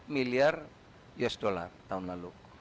lima belas delapan miliar usd tahun lalu